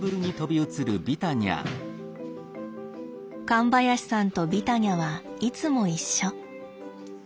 神林さんとビタニャはいつも一緒。